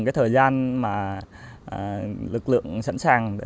cái thời gian mà lực lượng sẵn sàng